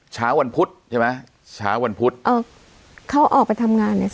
เช้าวันพุธใช่ไหมเช้าวันพุธเออเขาออกไปทำงานเนี่ย